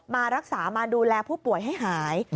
มารักษามาดูแลผู้ป่วยให้หาย